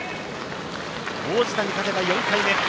王子谷、勝てば４回目。